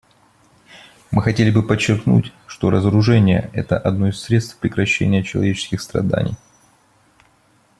Мы хотели бы подчеркнуть, что разоружение — это одно из средств прекращения человеческих страданий.